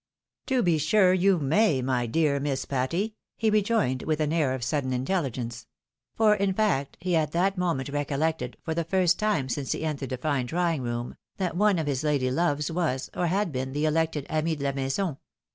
"" To be sure you may, my dear Miss Patty !" he rejoined with an air of sudden intelligence ; for, in fact, he at that mo ment recollected, for the first time since he entered the fine draw ing room, that one of his lady loves was, or had been, the elected amie de la maison.